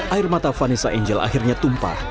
air mata vanessa angel akhirnya tumpah